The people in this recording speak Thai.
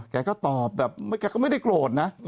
แกก็ตอบแบบแกก็ไม่ได้โกรธนะ